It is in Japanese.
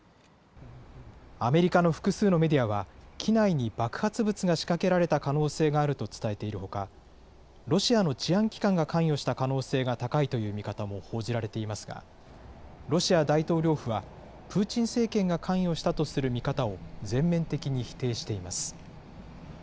アメリカの複数のメディアは、機内に爆発物が仕掛けられた可能性があると伝えているほか、ロシアの治安機関が関与した可能性が高いという見方も報じられていますが、ロシア大統領府は、プーチン政権が関与したとする見方を全面的に否定しています。